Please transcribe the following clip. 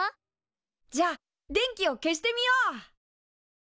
じゃあ電気を消してみよう！